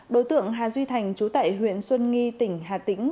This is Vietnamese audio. đối tượng hà duy thành chú tại huyện xuân nghi tỉnh hà tĩnh